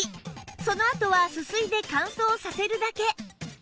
そのあとはすすいで乾燥させるだけ